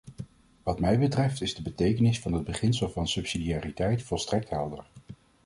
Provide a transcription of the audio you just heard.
Wat mijzelf betreft is de betekenis van het beginsel van subsidiariteit volstrekt helder.